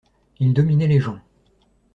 Il dominait les gens.